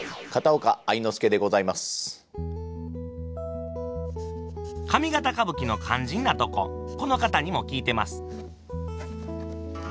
上方歌舞伎の肝心なとここの方にも聞いてます。